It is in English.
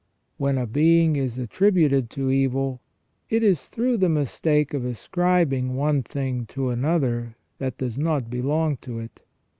When a being is attributed to evil, it is through the mistake of ascribing one thing to another 2i6 ON JUSTICE AND MORAL EVIL. that does not belong to it.